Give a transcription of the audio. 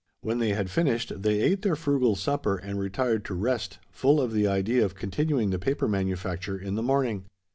When they had finished, they ate their frugal supper and retired to rest full of the idea of continuing the paper manufacture in the morning.